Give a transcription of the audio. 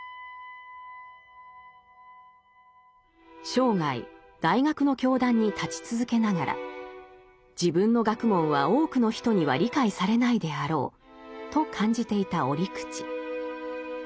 生涯大学の教壇に立ち続けながら自分の学問は多くの人には理解されないであろうと感じていた折口。